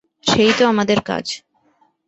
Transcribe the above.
সেই তো আমাদের কাজ।